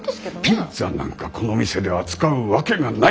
ピッツァなんかこの店で扱うわけがない。